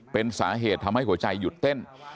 เป็นสาเหตุทำให้หัวใจหยุดเต้น